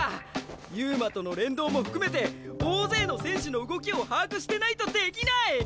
遊馬との連動も含めて大勢の選手の動きを把握してないとできない！